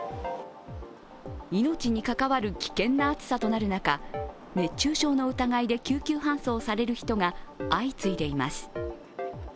命に関わる危険な暑さとなる中、熱中症の疑いで救急搬送される人が相次いでいます。